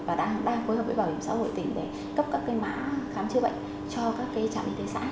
và đang phối hợp với bảo hiểm xã hội tỉnh để cấp các mã khám chữa bệnh cho các trạm y tế xã